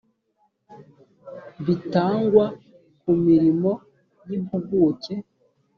bitangwa ku mirimo y impuguke